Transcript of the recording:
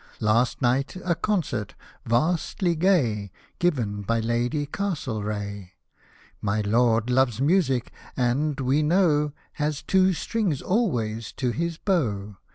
Last night a Concert — vastly gay — Given by Lady Castlereagh. My Lord loves music, and, we know. Has " two strings always to his bow."